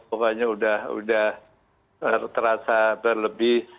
pokoknya sudah terasa berlebih